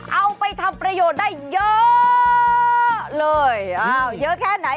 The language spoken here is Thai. เอาไปทำประโยชน์ได้เยอะเลยอ้าวเยอะแค่ไหน